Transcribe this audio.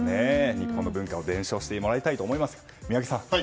日本の文化を伝承してもらいたいです。